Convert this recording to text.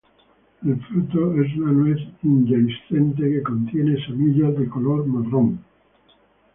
El fruto es una nuez indehiscente que contiene semillas de color marrón.